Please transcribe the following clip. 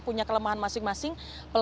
punya kelemahan masing masing